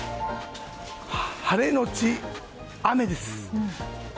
晴れのち雨です。